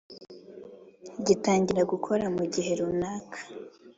gitangira gukora mu gihe runaka.